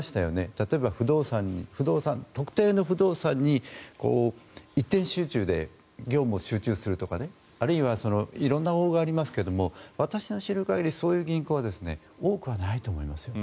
例えば、特定の不動産に一点集中で業務を集中するとかあるいは色んなものがありますが私の知る限り、そういう銀行は多くはないと思います。